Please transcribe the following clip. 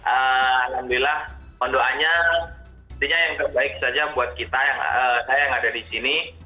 alhamdulillah mohon doanya yang terbaik saja buat kita saya yang ada di sini